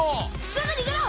すぐ逃げろ！